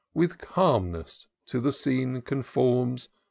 With calmness to the scene conforms.